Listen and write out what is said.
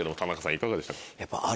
いかがでしたか？